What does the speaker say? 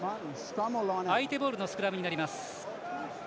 相手ボールのスクラムになります。